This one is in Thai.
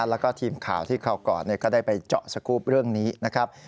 แล้วก็ทีมข่าวที่คราวก่อนก็ได้ไปเจาะสกรูปเรื่องนี้นะครับ